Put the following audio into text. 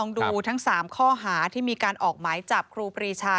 คุณเหนียวมาสอนใช่ค่ะ